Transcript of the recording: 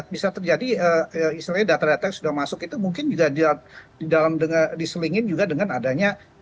bisa terjadi istilahnya data data yang sudah masuk itu mungkin juga diselingin juga dengan adanya